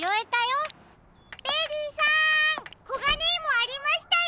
ベリーさんコガネイモありましたよ！